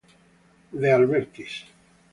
De Albertis